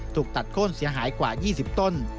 ถูกตัดโค้นเสียหายกว่า๒๐ต้น